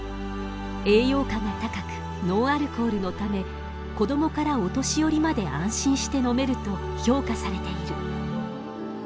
栄養価が高くノンアルコールのため子どもからお年寄りまで安心して飲めると評価されている。